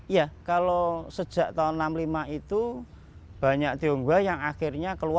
ya kalau sejak tahun enam puluh lima itu banyak tionghoa yang akhirnya keluar